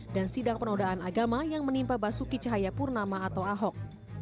dan sidang penodaan agama yang menimpa basuki cahaya purnama atau ahok